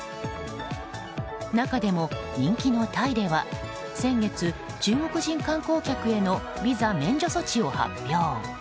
中でも、人気のタイでは先月、中国人観光客へのビザ免除措置を発表。